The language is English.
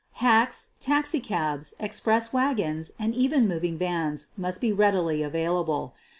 Hacks, taxicabs, express wagons, and even mov ing vans must be readily available.